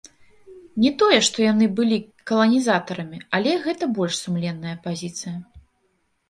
Не тое, што яны былі каланізатарамі, але гэта больш сумленная пазіцыя.